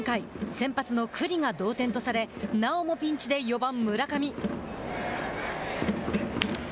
先発の九里が同点とされなおもピンチで４番村上。